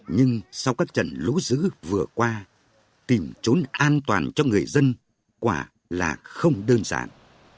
nhưng sau các trận lũ dữ vừa qua tìm trốn an toàn cho người dân quả là không đơn giản